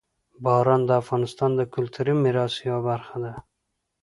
باران د افغانستان د کلتوري میراث یوه برخه ده.